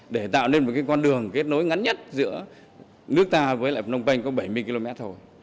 để tạo nên một con đường kết nối ngắn nhất giữa nước ta với lại phnom penh có bảy mươi km thôi